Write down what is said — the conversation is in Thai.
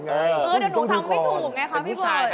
เดี๋ยวหนูทำไม่ถูกไงคะพี่บอย